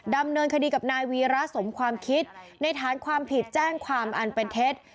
ดำเนินคดีกับนายวีระสมความคิดในฐานความผิดแจ้งความอันเป็นเท็จ